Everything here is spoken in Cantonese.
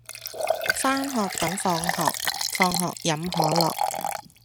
返學等放學放學飲可樂